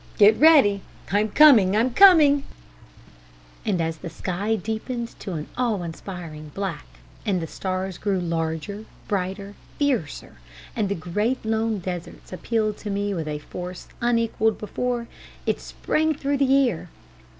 Get ready. I'm coming, coming,' and as the sky deepened to an awe inspiring black, and the stars grew larger, brighter, fiercer; and the great lone deserts appealed to me with a force unequalled before, it sprang through the air.